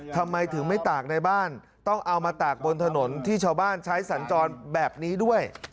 ทำไมถึงไม่ตากในบ้านต้องเอามาตากบนถนนที่ชาวบ้านใช้สัญจรแบบนี้ด้วย